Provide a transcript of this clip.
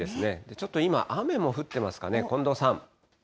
ちょっと今、雨も降ってますかね。